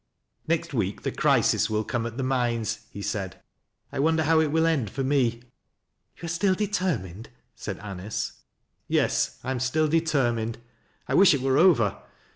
" Next week the crisis will come at the mines," he said. " I wonder how it will end for me." " You are still determined ?" said Anice. "Yes, I am still determined. I wish it were over.